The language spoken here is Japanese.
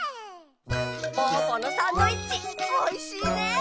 ぽぅぽのサンドイッチおいしいね。